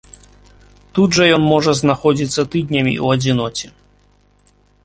Тут жа ён можа заходзіцца тыднямі ў адзіноце.